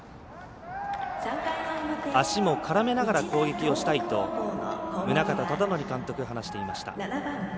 足も絡めながら攻撃をしたいと宗像忠典監督は話していました。